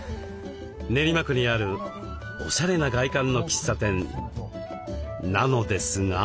練馬区にあるおしゃれな外観の喫茶店なのですが。